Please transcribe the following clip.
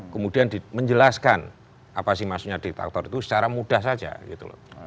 kemudian menjelaskan apa sih maksudnya diktator itu secara mudah saja gitu loh